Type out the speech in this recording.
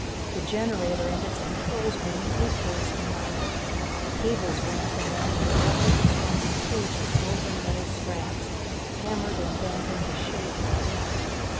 The generator and its controls were neatly cased and mounted. Cables ran from them to a roughly constructed cage of woven metal straps, hammered and bent into shape by hand.